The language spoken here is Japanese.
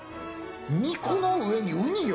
肉の上にうによ。